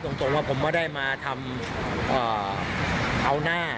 ตรงว่าผมไม่ได้มาทำเอาหน้า